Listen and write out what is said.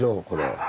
これ。